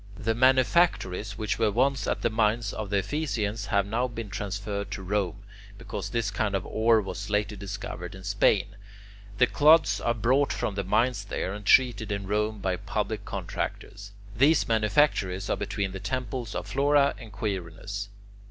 The manufactories which were once at the mines of the Ephesians have now been transferred to Rome, because this kind of ore was later discovered in Spain. The clods are brought from the mines there, and treated in Rome by public contractors. These manufactories are between the temples of Flora and Quirinus. 5.